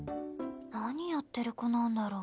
何やってる子なんだろう？